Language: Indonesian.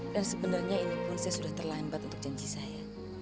sebenarnya ini pun saya sudah terlambat untuk janji saya